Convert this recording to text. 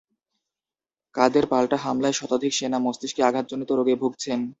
কাদের পাল্টা হামলায় শতাধিক সেনা মস্তিষ্কে আঘাতজনিত রোগে ভুগছেন?